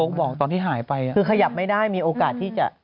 คือขยับไม่ได้มีโอกาสที่จะ